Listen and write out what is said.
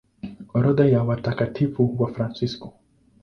Orodha ya Watakatifu Wafransisko